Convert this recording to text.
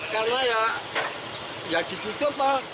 karena ya ditutup